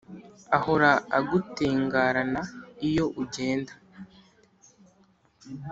Ahora agutengarana iyo ugenda,